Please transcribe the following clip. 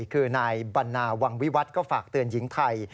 คือนายบรรณาวังวิวัฒน์ก็ฝากเตือนหญิงไทย